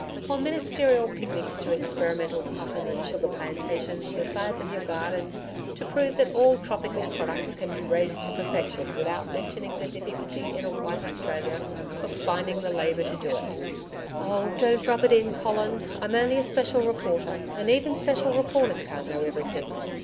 Or ministerial picnics to experimental cotton and sugar plantations the size of your garden to prove that all tropical products can be raised to perfection without mentioning the difficulty in a White Australia of finding the labour to do it.' 'Oh, don't rub it in, Colin. I'm only a special reporter, and even special reporters can't know everything.